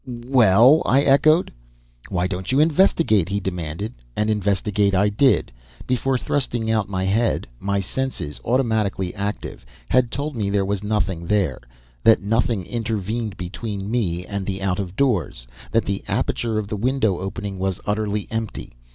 "Well?" I echoed. "Why don't you investigate?" he demanded. And investigate I did. Before thrusting out my head, my senses, automatically active, had told me there was nothing there, that nothing intervened between me and out of doors, that the aperture of the window opening was utterly empty.